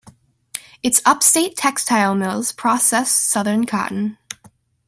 Its upstate textile mills processed southern cotton.